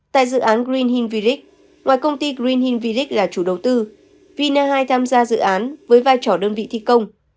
tại dự án green hill village ngoài công ty green hill village là chủ đầu tư vina hai tham gia dự án với vai trò đơn vị thi công